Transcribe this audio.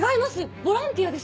ボランティアです。